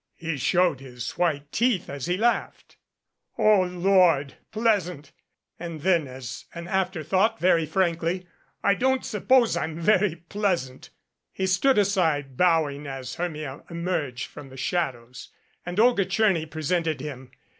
He showed his white teeth as he laughed. "Oh, Lord ! Pleasant !" And then as an afterthought, very frankly, "I don't suppose I am very pleasant !" He stood aside bowing as Hermia emerged from the shadows and Olga Tcherny presented him.